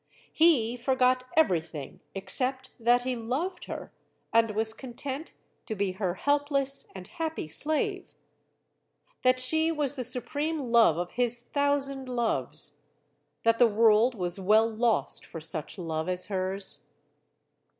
He forgot everything except that he loved her, and was content to be her helpless and happy slave; that she was the supreme love of his thousand loves; that the world was well lost for such love as hers.